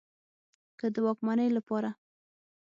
که د واکمنۍ له پاره